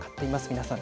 皆さん。